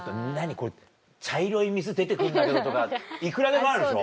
これ茶色い水出て来るんだけど」とかいくらでもあるでしょ？